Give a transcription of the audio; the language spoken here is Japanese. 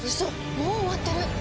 もう終わってる！